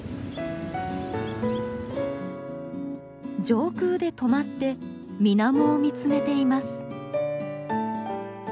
上空で止まってみなもを見つめています。